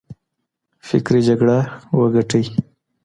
فکري جګړه وګټئ.